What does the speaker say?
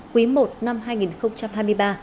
quý một năm hai nghìn hai mươi ba